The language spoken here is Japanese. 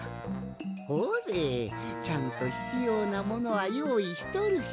ほれちゃんとひつようなものはよういしとるし。